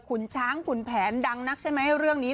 คุณช้างขุนแผนดังนักใช่ไหมเรื่องนี้